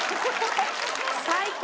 最高！